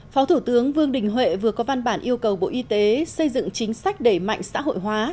phó thủ tướng vương đình huệ vừa có văn bản yêu cầu bộ y tế xây dựng chính sách đẩy mạnh xã hội hóa